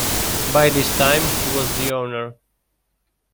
By this time, he was the owner.